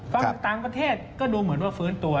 ต่างประเทศก็ดูเหมือนว่าฟื้นตัว